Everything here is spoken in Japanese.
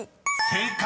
［正解！